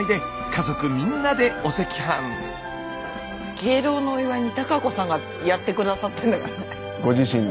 敬老のお祝いに多加子さんがやって下さってんのがね。